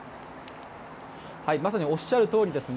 まさにおっしゃるとおりですね。